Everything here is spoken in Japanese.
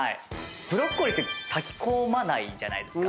ブロッコリーって炊き込まないじゃないですか